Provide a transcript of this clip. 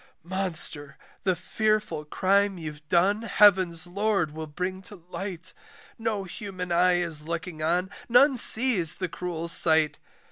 "Monster, the fearful crime you've done heaven's LORD will bring to light, "No human eye is looking on none sees the cruel sight.